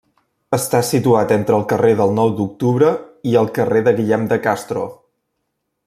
Està situat entre el carrer del Nou d'octubre i el carrer de Guillem de Castro.